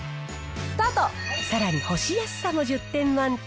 さらに干しやすさも１０点満点。